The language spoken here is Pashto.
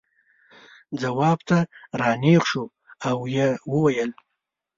ځواب ته را نېغ شو او یې وویل.